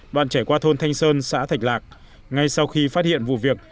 đoạn trẻ qua thôn thanh sơn xã thạch lạc ngay sau khi phát hiện vụ việc